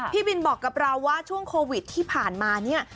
พี่บินบอกกับเราว่าช่วงโควิดที่ผ่านมาเนี่ย